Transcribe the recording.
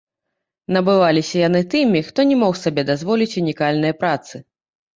Набываліся яны тымі, хто не мог сабе дазволіць унікальныя працы.